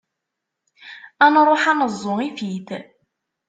Ad nruḥ ad neẓẓu ifit.